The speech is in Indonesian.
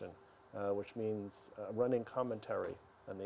dan ketika mereka melakukannya